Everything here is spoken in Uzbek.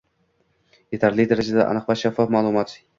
- etarli darajada aniq va shaffof ma'lumot;